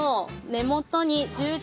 根元に十字？